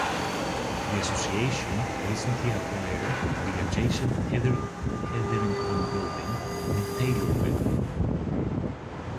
The association recently acquired the adjacent Hetherington Building and Taylor Building.